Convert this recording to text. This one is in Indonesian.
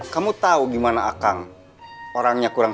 kerja di p wondering